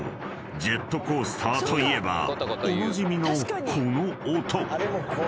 ジェットコースターといえばおなじみのこの音］